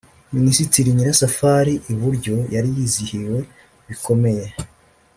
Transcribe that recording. Minisitiri Nyirasafari (iburyo) yari yizihiwe bikomeye